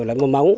lở mồm long móng